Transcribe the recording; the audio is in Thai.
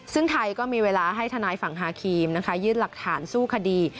ซึ่งไทยก็มีเวลาให้ทนายฝั่งฮาครีมนะคะยื่นหลักฐานสู้คดี